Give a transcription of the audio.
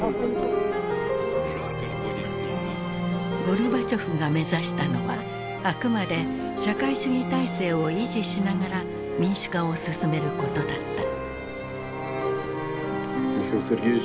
ゴルバチョフが目指したのはあくまで社会主義体制を維持しながら民主化を進めることだった。